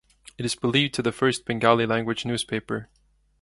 It is believed to the first Bengali Language newspaper.